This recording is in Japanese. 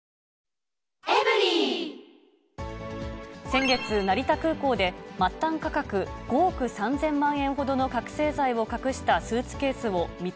先月、成田空港で、末端価格５億３０００万円ほどの覚醒剤を隠したスーツケースを密